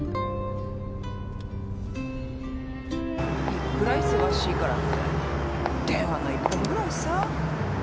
いっくら忙しいからって電話の一本ぐらいさ。